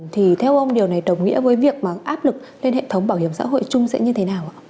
thì theo ông điều này đồng nghĩa với việc mà áp lực lên hệ thống bảo hiểm xã hội chung sẽ như thế nào ạ